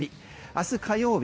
明日火曜日